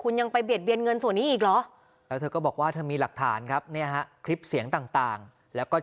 นั่งพูดคุยแล้วก็